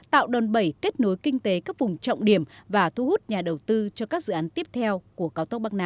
tạo đòn bẩy kết nối kinh tế các vùng trọng điểm và thu hút nhà đầu tư cho các dự án tiếp theo của cao tốc bắc nam